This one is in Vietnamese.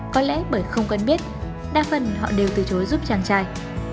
có lẽ bởi không quen biết đa phần họ đều từ chối giúp chàng trai